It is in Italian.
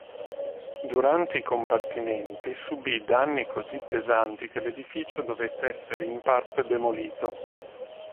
Durante i combattimenti subì danni così pesanti che l'edificio dovette essere in parte demolito.